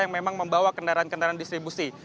yang memang membawa kendaraan kendaraan distribusi